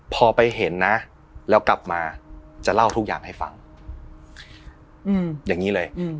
พอไปเห็นนะแล้วกลับมาจะเล่าทุกอย่างให้ฟังอย่างนี้เลย